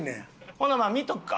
ほんならまあ見とくか？